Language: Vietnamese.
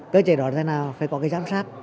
cơ trệ đó là thế nào phải có cái giám sát